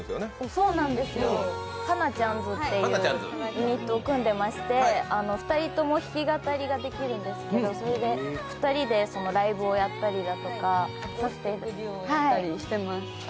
そうなんです、花ちゃんズというユニットを組んでいまして、２人とも弾き語りができるんですけどそれで２人でライブをやったりだとかしています。